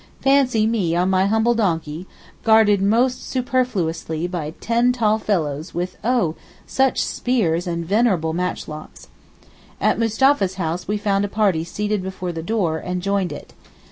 Fancy me on my humble donkey, guarded most superfluously by ten tall fellows, with oh! such spears and venerable matchlocks. At Mustapha's house we found a party seated before the door, and joined it.